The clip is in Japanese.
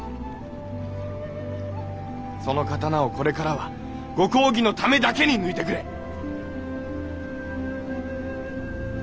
その刀をこれからはご公儀のためだけに抜いてくれ。